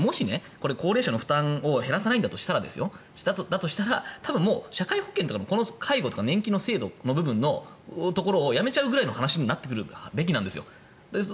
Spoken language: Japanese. それを誰のためにやるかとなると高齢者の負担を減らさないんだとしたら多分、社会保険とか介護、年金の制度のところをやめちゃうぐらいの話になってくるべきなんですよ。